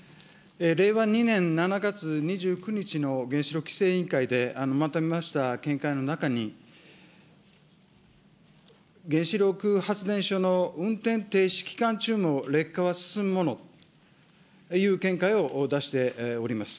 令和２年７月２９日の原子力規制委員会でまとめました見解の中に、原子力発電所の運転停止期間中も劣化は進むものという見解を出しております。